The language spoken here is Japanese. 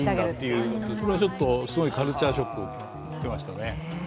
これは、すごいカルチャーショックを受けましたね。